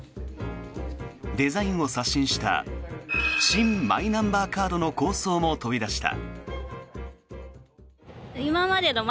デザインを刷新した新マイナンバーカードの構想も飛び出した。